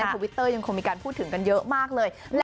ทวิตเตอร์ยังคงมีการพูดถึงกันเยอะมากเลย